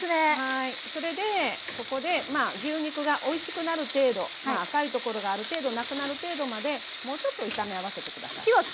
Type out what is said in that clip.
それでここで牛肉がおいしくなる程度赤いところがある程度なくなる程度までもうちょっと炒め合わせて下さい。